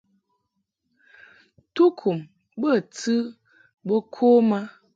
Tukum bə tɨ bo kom a .